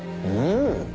うん。